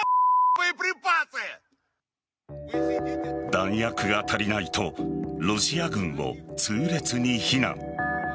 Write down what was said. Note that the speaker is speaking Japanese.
弾薬が足りないとロシア軍を痛烈に非難。